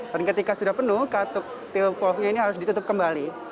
dan ketika sudah penuh kartuk t volv nya ini harus ditutup kembali